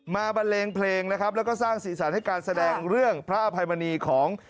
บันเลงเพลงนะครับแล้วก็สร้างสีสันให้การแสดงเรื่องพระอภัยมณีของ